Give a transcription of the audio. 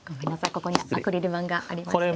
ここにアクリル板がありまして。